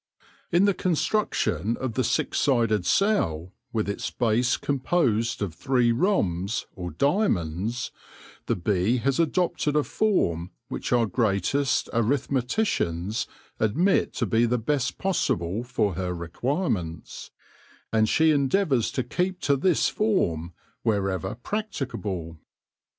In the construction of the six sided cell, with its base composed of three rhombs or diamonds, the bee has adopted a form which our greatest arithmeticians admit to be the best possible for her requirements, and she endeavours to keep to this form wherever practicable.